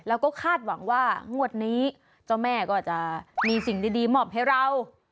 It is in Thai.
แล้วก็คาดหวังว่างวดนี้เจ้าแม่ก็จะมีสิ่งดีมอบให้เรา